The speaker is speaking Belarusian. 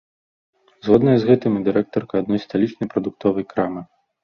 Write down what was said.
Згодная з гэтым і дырэктарка адной сталічнай прадуктовай крамы.